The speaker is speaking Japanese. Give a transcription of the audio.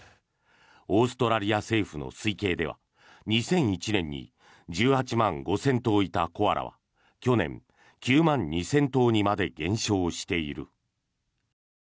オーストラリア政府の推計では２００１年に１８万５０００頭いたコアラは去年、９万２０００頭にまで減少している。